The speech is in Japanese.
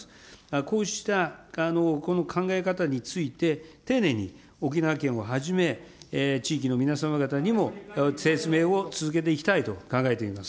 こうした、この考え方について丁寧に沖縄県をはじめ、地域の皆様方にも説明を続けていきたいと考えています。